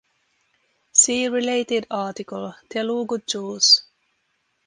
"See related article: Telugu Jews".